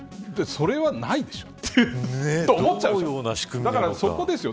それはないでしょうと思っちゃうでしょ。